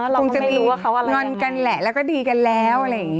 คงจะมีวันกันแหละแล้วก็ดีกันแล้ว